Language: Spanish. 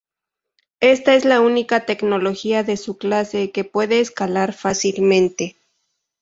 Ésta es la única tecnología de su clase que puede escalar fácilmente.